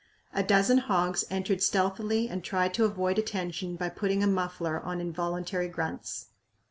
A dozen hogs entered stealthily and tried to avoid attention by putting a muffler on involuntary grunts.